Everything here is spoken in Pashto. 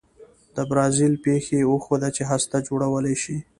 د برازیل پېښې وښوده چې هسته جوړولای شي.